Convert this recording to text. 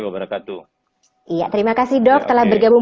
iya terima kasih dok telah bergabung